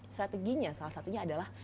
strateginya salah satunya adalah